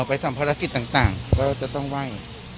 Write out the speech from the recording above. ไปทำภารกิจต่างก็จะต้องไหว้